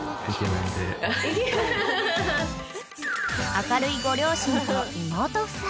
［明るいご両親と妹夫妻］